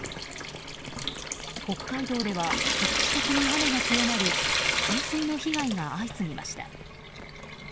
北海道では局地的に雨が強まり冠水の被害が相次ぎました。